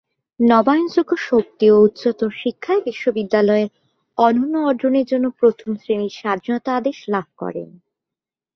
নবায়নযোগ্য শক্তি ও উচ্চতর শিক্ষায় বিশ্ববিদ্যালয়ের অনন্য অর্জনের জন্য প্রথম শ্রেণীর স্বাধীনতা আদেশ লাভ করেন।